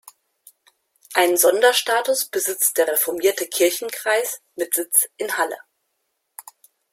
Einen Sonderstatus besitzt der "Reformierte Kirchenkreis" mit Sitz in Halle.